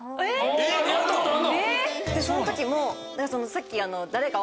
その時もさっき。